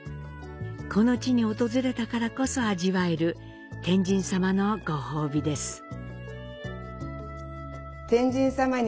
この地に訪れたからこそ味わえる「天神さま」のご褒美です。